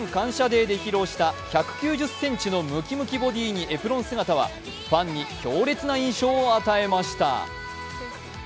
デーで披露した、１９０ｃｍのムキムキボディーにエプロン姿はファンに強烈な印象を与えました。